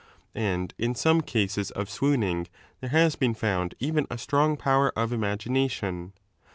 And in some cases of swooning there has been found even a strong power of imagination.